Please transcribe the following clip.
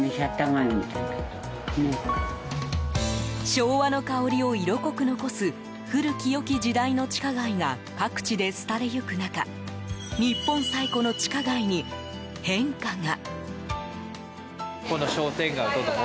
昭和の香りを色濃く残す古き良き時代の地下街が各地で廃れゆく中日本最古の地下街に変化が。